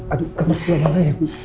aduh kamarnya di atas ya bi